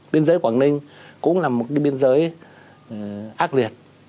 biên giới quảng ninh cũng là một biên giới ác liệt